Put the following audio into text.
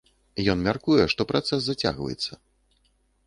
Ён мяркуе, што працэс зацягваецца.